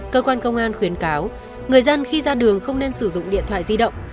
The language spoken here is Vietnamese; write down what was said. cơ quan công an khuyến cáo người dân khi ra đường không nên sử dụng điện thoại di động